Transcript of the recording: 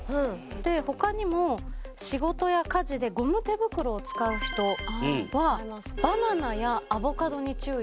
で他にも仕事や家事でゴム手袋を使う人はバナナやアボカドに注意だそうです。